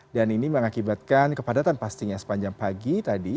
dan ini mengakibatkan kepadatan pastinya sepanjang pagi tadi